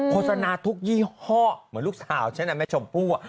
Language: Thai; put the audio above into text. โฆษณาทุกยี่ห้อเหมือนลูกสาวฉันนะแม่ชมพู่